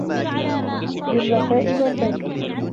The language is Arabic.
بالرفاء والبنين